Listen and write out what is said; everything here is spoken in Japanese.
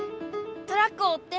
トラックをおって！